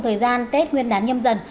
thời gian tết nguyên đán nhâm dần